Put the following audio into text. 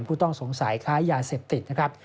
ผู้ต้องสงสัยค้ายาเสพติดนะครับ